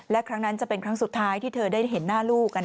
และครั้งนั้นจะเป็นครั้งสุดท้ายที่เธอได้เห็นหน้าลูก